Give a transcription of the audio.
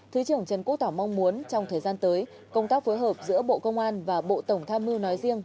thứ trưởng trần quốc tỏ mong muốn trong thời gian tới công tác phối hợp giữa bộ công an và bộ tổng tham mưu nói riêng